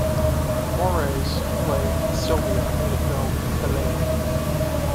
Moraes played Silvia in the film "Heleno".